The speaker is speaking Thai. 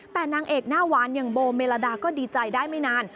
แต่นางเอกหน้าหวานอย่างโบเมลาดาก็ดีใจได้ไม่นาน